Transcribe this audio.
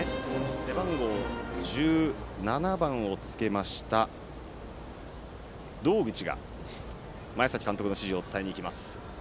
背番号１７番をつけた堂口が前崎監督の指示を伝えに行きます。